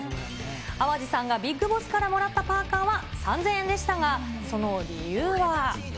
淡路さんがＢＩＧＢＯＳＳからもらったパーカーは、３０００円でしたが、その理由は。